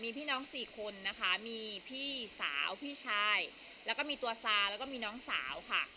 พี่น้องสี่คนนะคะมีพี่สาวพี่ชายแล้วก็มีตัวซาแล้วก็มีน้องสาวค่ะ